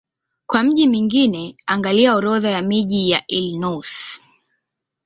Kwa miji mingine angalia Orodha ya miji ya Illinois.